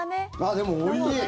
でも、おいしい。